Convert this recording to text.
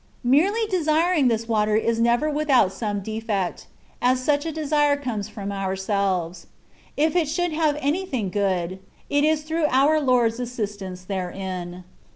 Merely desiring this water is never without some defect, as such a desire comes from ourselves : if it should have anything good, it is through our Lord's assistance therein.